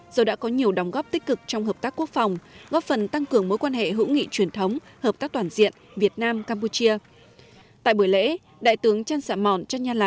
do đã có nhiều đóng góp tích cực trong hợp tác quốc phòng góp phần tăng cường mối quan hệ hữu nghị truyền thống hợp tác toàn diện việt nam campuchia